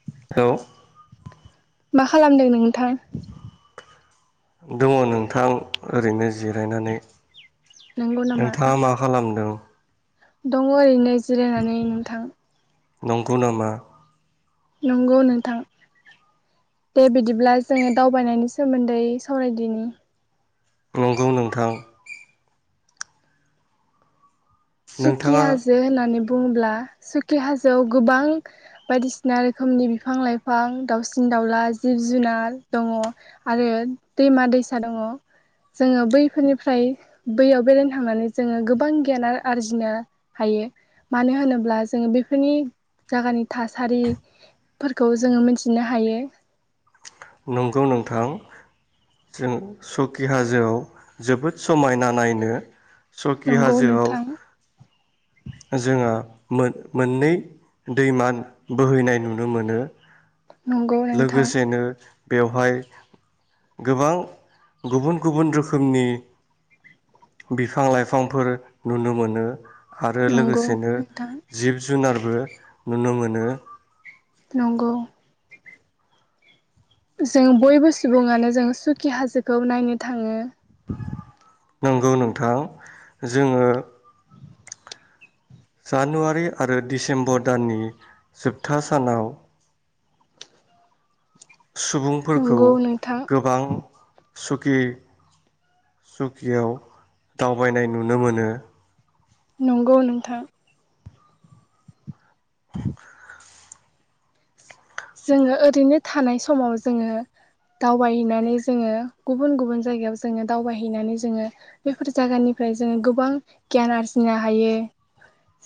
[unintelligible] मा खालामदों नोङोथां? दङ नोंथां ओरैनो। जिरायनानै, नंगौ नामा नोंथाङा मा खालामदों? दङ ओरैनो जिरायनानै नोंथां। नंगौ नामा? नंगौ नोंथां। दे बिदिब्ला जोङो दावबायनायनि सोमोन्दै सावरायदिनि। नंगौ नोंथां। सुखि नोंथाङा हाजो होननानै बुङोब्ला सुखि हाजोआव गोबां बायदिसिना रोखोमनि बिफां लाइफां, दाउसिन दाउला, जिब जुनार दङ आरो दैमा दैसा दङ जोङो बैफोरनिफ्राय बैयाव बेरायनो थांनानै जोङो गोबां गियान आर्जिनो हायो मानो होनोब्ला जोङो बेफोरनि जागानि थासारि फोरखौ जोङो मिन्थिनो हायो। नंगौ नोंथां। जों सखि हाजोआव जोबोद समायना नायनो नंगौ नोंथां। जोङो मोन-मोननै दैमा बोहैनाय नुनो मोनो। नंगौ नोंथां लोगोसेनो बेवहाय गोबां गुबुन गुबुन रोखोमनि बिफां लाइफांफोर नुनो मोनो। आरो नंगौ लोगोसेनो नोंथां जिब जुनारबो नुनो मोनो। नंगौ। जों बयबो सुबुङानो जों सुखि हाजोखौ नायनो थाङो। नंगौ नोंथां। जोङो जानुवारि आरो डिसेम्बर दाननि जोबथा सानाव सुबुंफोरखौ नंगौ नोंथां गोबां सुखि सुखियाव दावबायनाय नुनो मोनो। नंगौ नोंथां। [unintelligible] जोङो ओरैनो थानाय समाव जोङो दावबायहैनानै जोङो गुबुन गुबुन जायगायाव जोङो दावबायहैनानै जोङो बेफोर जायगानिफ्राय जोङो गोबां गियान आर्जिनो हायो।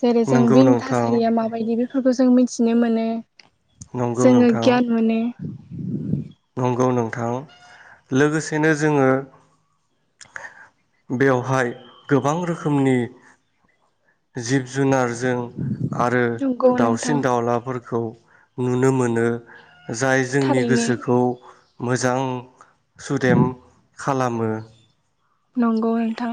जेरै जों नंगौ बेनि नोंथां थासारिया माबायदि बे फोरखौ जों मिथिनो मोनो। नंगौ जोङो नोंथां गियान मोनो। नोंगौ नोंथां। लोगोसेनो जोङो बेयावहाय गोबां रोखोमनि जिब जुनारजों आरो नंगौ नोंथां दाउसिन दाउलाफोरखौ नुनो मोनो। जाय जोंनि थारैनो गोसो खौ मोजां सुदेम खालामो। नंगौ नोंथां।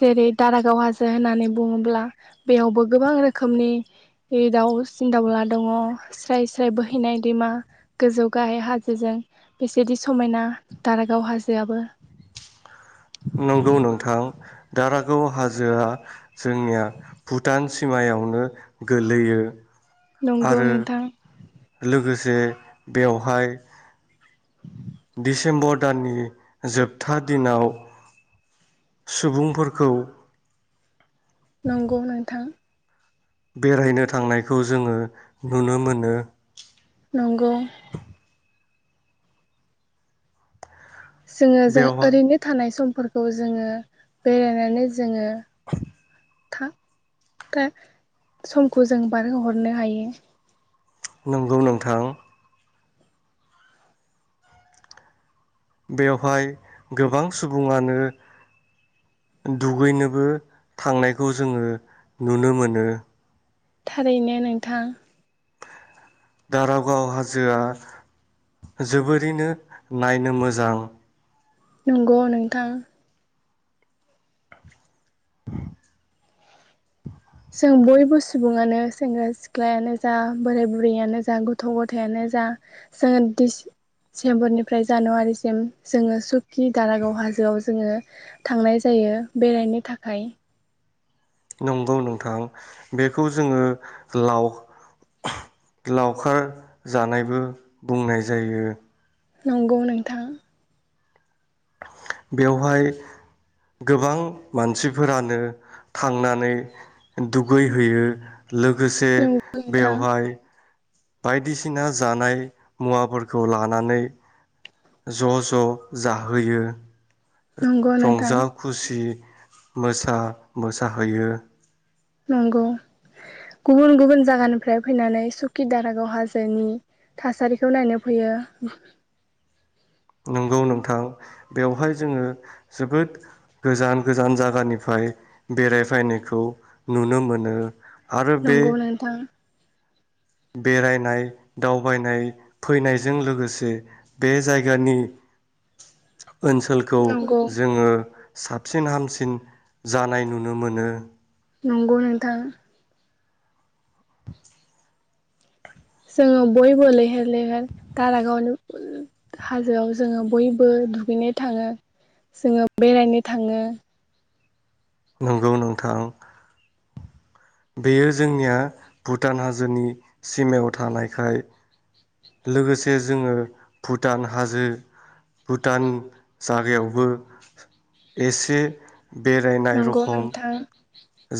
जेरै दारागाव हाजो होननानै बुङोब्ला बेयावबो गोबां रोखोमनि दाउसिन दाउला दङ। स्राय स्राय बोहैनाय दैमा गोजौ गाहाय हाजोजों बेसेदि समायना दारागाव हाजोआबो। नंगौ नोंथां। दारागाव हाजोआ जोंनिया भुटान सिमायावनो गोलैयो। नंगौ नोंथां। जे बेवहाय दिसेम्बर दाननि जोबथा दिनाव सुबुंफोरखौ नंगौ नोंथां बेरायनो थांनायखौ जोङो नुनो मोनो। नंगौ। जोङो जों बेवहाय ओरैनो थानाय सम फोरखौ जोङो बेरायनानै जोङो [inaudible] था ता समखौ जों बारहोहरनो हायो। नंगौ नोंथां। बेवहाय गोबां सुबुङानो दुगैनोबो थांनायखौ जोङो नुनो मोनो। थारैनो नोंथां। दारागाव हाजोआ जोबोरैनो नायनो मोजां नंगौ नोंथां। [inaudible] जों बयबो सुबुङानो सेंग्रा सिख्लायानो जा बोराय बुरैयानो जा गथ' गथायानो जा जोङो डिसेम्बरनिफ्राय जानुवारिसिम जोङो सुकि दारागाव हाजोआव जोङो थांनाय जायो बेरायनो थाखाय। नंगौ नोंथां बेखौ जोङो लाव लावखार जानायबो बुंनाय जायो। नंगौ नोंथां। बेवहाय गोबां मानसिफोरानो थांनानै दुगैहैयो। लोगोसे नंगौ नोंथां बेवहाय बायदिसिना जानाय मुवाफोरखौ लानानै ज ज जाहैयो। नंगौ नोंथां रंजा खुसि मोसा मोसाहैयो। नंगौ गुबुन गुबुन जागानिफ्राय फैनानै सुकि दारागाव हाजोनि थासारिखौ नायनो फैयो। नंगौ नोंथां बेवहाय जोङो जोबोद गोजान गोजान जागानिफ्राय बेरायफैनायखौ नुनो मोनो। आरो बे नंगौ नोंथां। बेरायनाय दावबायनाय फैनायजों लोगोसे बे जायगानि ओनसोलखौ नंगौ जोङो साबसिन हामसिन जानाय नुनो मोनो। नंगौ नोंथां। जोङो बयबो लैहोर लैहोर दारागावनि हाजोआव जोङो बयबो दुगैनो थाङो जोङो बेरायनो थाङो। नंगौ नोंथां। बेयो जोंनिया भुटान हाजोनि सिमायाव थानायखाय लोगोसे जोङो भुटान हाजो भुटान जागायावबो एसे बेरायनाय नंगौ रखम नोंथां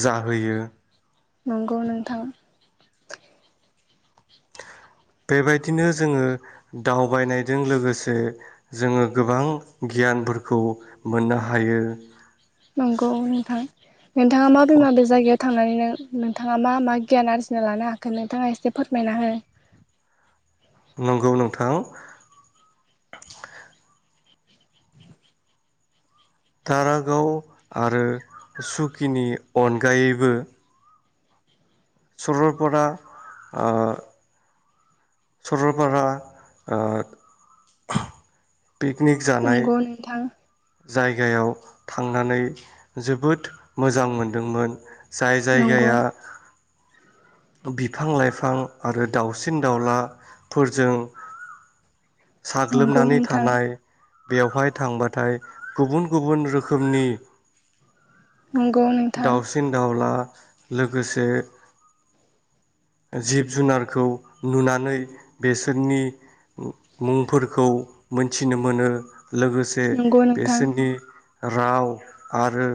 जा। होयो। नंगौ नोंथां। बेबायदिनो जोङो दावबायनायजों लोगोसे जोङो गोबां गियानफोरखौ मोननो हायो। नंगौ नोंथां नोंथाङा माबे माबे जायगायाव थांनानै नों नोंथाङा मा मा गियान आरजिना लानो हाखो नोंथाङा एसे फोरमायना हो। नंगौ नोंथां। दारागाव आरो सुकिनि अनगायैबो सरलफारा ओ। सरलपारा ओ। पिकनिक जानाय। नंगौ नोंथां जायगायाव थांनानै जोबोद मोजां मोनदोंमोन। जाय नंगौ जायगाया। बिफां लाइफां आरो दाउसिन दाउलाफोरजों नंगौ साग्लोबनानै नोंथां थानाय। बेवहाय थांबाथाय गुबुन गुबुन रोखोमनि। नंगौ नोंथां। दाउसिन दाउला लोगोसे जिब जुनारखौ नुनानै बेसोरनि मु मुंफोरखौ मोनथिनो मोनो। लोगोसे नंगौ नोंथां बेसोरनि राव आरो।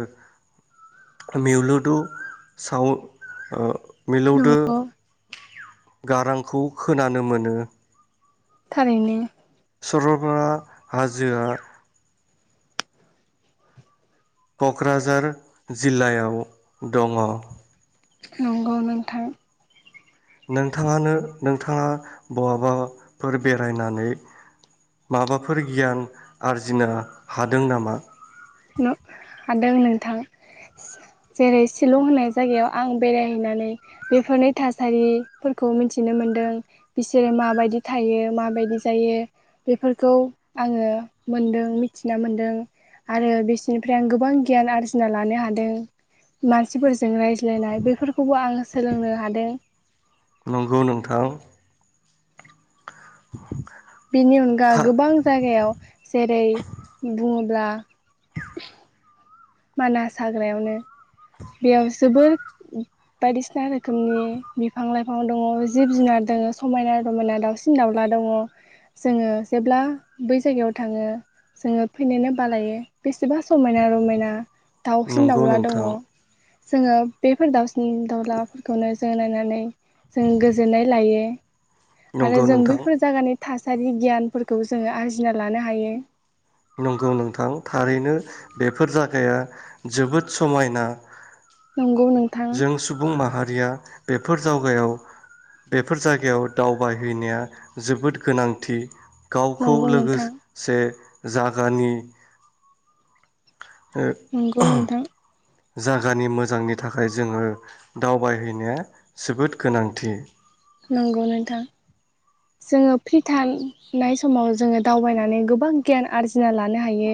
मिउलुदु साउ ओ मिलौदो। नंगौ गारांखौ खोनानो मोनो। थारैनो। सरलपारा हाजोआ क'क्राझार जिल्लायाव दङ। नंगौ नोंथां। नोंथाङानो नोंथाङा बहाबा फोर बेरायनानै माबाफोर गियान आरजिनो हादों नामा? न हादों नोंथां जेरै शिलं होननाय जायगायाव आं बेरायहैनानै बेफोरनि थासारिफोरखौ मिथिनो मोनदों बिसोरो माबायदि थायो माबायदि जायो बेफोरखौ आङो मोनदों मिथिना मोनदों। आरो बिसोरनिफ्राय आं गोबां गियान आरजिना लानो हादों मानसिफोरजों रायज लायनाय बेफोरखौबो आङो सोलोंनो हादों। नंगौ नोंथां बेनि अनगा था गोबां जायगायाव जेरै बुङोब्ला [unintelligible] मानास हाग्रायावनो बेयाव जोबोर बायदिसिना रोखोमनि बिफां लाइफां दङ जिब जुनार दङ समायना रमायना दाउसिन दाउला दङ जोङो जेब्ला बै जायगायाव थाङो जोङो फैनोनो बालायो बेसेबा समायना रमायना। दाउसिन नंगौ दाउला दङ। नोंथां जोङो बेफोर दाउसिन दाउलाफोरखौनो जोङो नायनानै जों गोजोननाय लायो। आरो नंगौ जों नोंथां बैफोर जागानि थासारि गियानफोरखौ जोङो आरजिना लानो हायो। नंगौ नोंथां। थारैनो बेफोर जागाया जोबोद समायना नंगौ नोंथां जों सुबुं माहा रिया बेफोर जावगायाव बेफोर जायगायाव दावबायहैनाया जोबोद गोनांथि। गावखौ नंगौ लोगो नोंथां से जागानि ओ नंगौ नोंथां। जागानि मोजांनि थाखाय जोङो दावबायहैनाया जोबोद गोनांथि। नंगौ नोंथां जोङो फ्रि थानायनाय समाव जोङो दावबायनानै गोबां गियान आरजिना लानो हायो।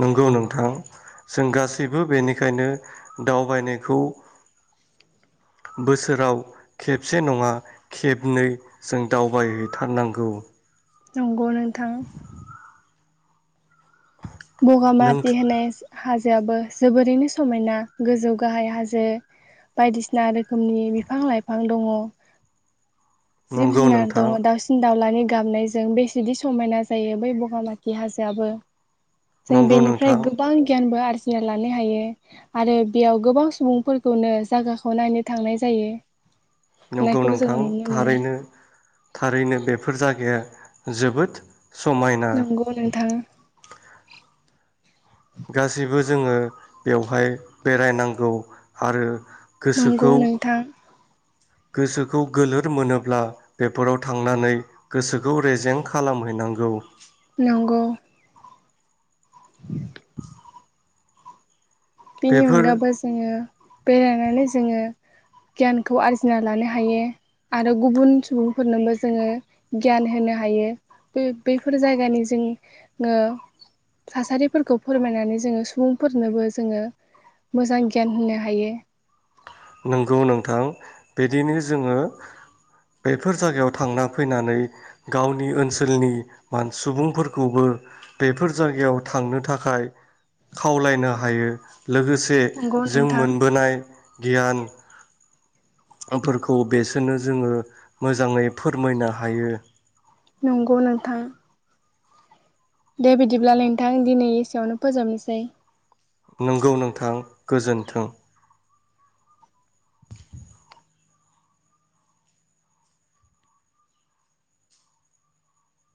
नंगौ नोंथां जों गासैबो बेनिखायनो दावबायनायखौ बोसोराव खेबसे नङा खेबनै जों दावबायहैथारनांगौ। नंगौ नोंथां नों बगामाथि होनाय हाजोआबो जोबोरैनो समायना, गोजौ गाहाय हाजो बायदिसिना रोखोमनि बिफां लाइफां दङ। जिब नंगौ जुनार नोंथां दङ, दाउसिन दाउलानि गाबनायजों बेसेदि समायना जायो बै बगामाथि हाजोआबो जों नंगौ बेनिफ्राय नोंथां गोबां गियानबो आर जिना लानो हायो आरो बेयाव गोबां सुबुंफोरखौनो जागाखौ नायनो थांनाय जायो। नंगौ नायखौ नोंथां जोङो नुनो मोनो थारैनो थारैनो बेफोर जागाया जोबोद समायना नंगौ नोंथां गासैबो जोङो बेवहाय बेरायनांगौ आरो नंगौ गोसोखौ नोंथां गोसोखौ गोलोर मोनोब्ला बेफोराव थांनानै गोसोखौ रेजें खालामहैनांगौ। नंगौ। [inaudible] बेनि बेफोर अनगाबो जोङो बेरायनानै जोङो गियानखौ आरजिना लानो हायो आरो गुबुन सुबुंफोरनोबो जोङो गियान होनो हायो। बे बैफोर जायगानि जों ओ थासारिफोरखौ फोरमायनानै जोङो सुबुंफोरनोबो जोङो मोजां गियान होनो हायो। नोंगौ नोंथां बिदिनो जोङो बेफोर जायगायाव थांना फैनानै गावनि ओनसोलनि मान सुबुंफोरखौबो बेफोर जायगायाव थांनो थाखाय खावलायनो हायो। लोगोसे नंगौ जों नोंथां मोनबोनाय गियान फोरखौ बेसोरनो जोङो मोजाङै फोरमायनो हायो। नंगौ नोंथां। दे बिदिब्लालाय नोंथां दिनै एसेयावनो फोजोबनोसै नंगौ नोंथां गोजोनथों।